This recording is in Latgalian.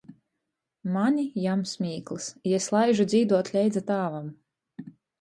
Mani jam smīklys, i es laižu dzīduot leidza tāvam.